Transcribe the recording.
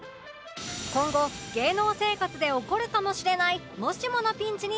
今後芸能生活で起こるかもしれないもしものピンチに備えよう！